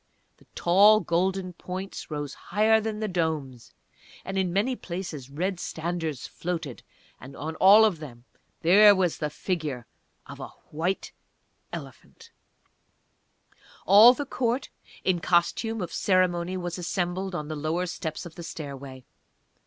The tall golden points rose higher than the domes, and in many places red standards floated, and on all of them there was the figure of a White Elephant! All the Court, in costume of ceremony was assembled on the lower steps of the stairway.